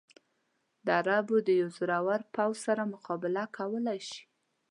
د عربو د یوه زورور پوځ سره مقابله کولای شي.